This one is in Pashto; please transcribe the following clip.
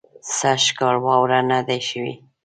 سږ کال واوره نۀ ده شوې